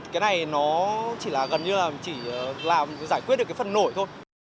cái này nó chỉ là gần như là chỉ làm giải quyết được cái phần nổi thôi